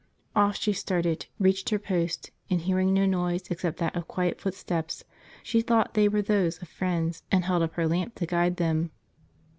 " Off she started, reached her post, and hearing no noise except that of quiet footsteps, she thought they were those of friends, and held up her lamp to guide them.